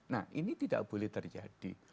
nah ini tidak boleh terjadi